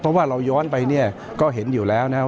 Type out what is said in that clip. เพราะว่าเราย้อนไปเนี่ยก็เห็นอยู่แล้วนะครับ